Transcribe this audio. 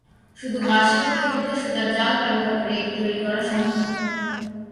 শুধু বাঁশের পরিবর্তে সুতার জাল ব্যবহার করে এটি তৈরি করা সম্ভব।